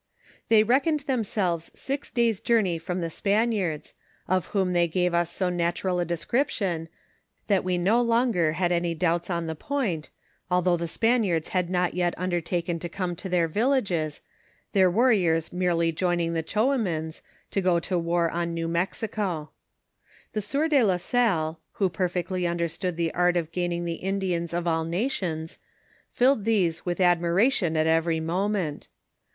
They reckoned themselves six days' journey from the Span iards, of whom they gave us so natural a description, that we no longer had any doubts on the point, although the Span iards had not yet undertaken to come to their villages, their DIBOOySBIES IN THB MIB8I88IFFI TALLET. 205 warriors merely joining the Ghoumans to go war on New Mexico. The si ear de la Salle, who perfectly underetood the art of gaining the Indians of all nations, filled these with ad miration at every moment.